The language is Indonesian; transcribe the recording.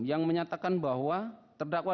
yang menyatakan bahwa terdakwa